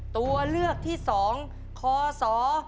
ตัวเลือกที่๒คศ๒๐๒๑